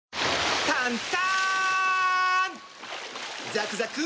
ザクザク！